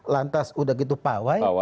lantas udah gitu pawai